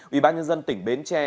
ủy ban nhân dân tỉnh bến tre